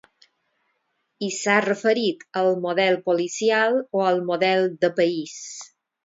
I s’ha referit al model policial o al model de país.